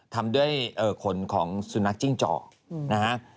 ทำด้วยขนของสุนัขจิ้งจอกนะฮะ